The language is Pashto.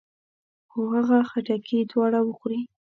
څو هغه خټکي دواړه وخورو.